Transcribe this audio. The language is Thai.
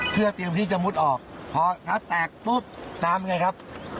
เพื่อเตรียมที่จะมุดออกพองัดแตกปุ๊บน้ำไงครับ